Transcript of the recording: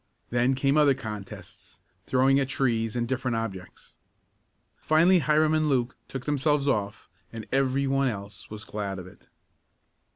Then came other contests, throwing at trees and different objects. Finally Hiram and Luke took themselves off, and everyone else was glad of it.